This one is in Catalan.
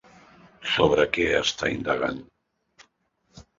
Sobre què ha estat indagant?